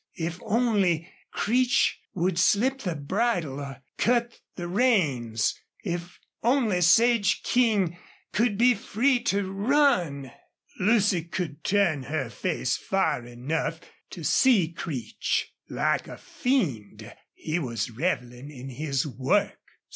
If only Creech would slip the bridle or cut the reins if only Sage King could be free to run! Lucy could turn her face far enough to see Creech. Like a fiend he was reveling in his work.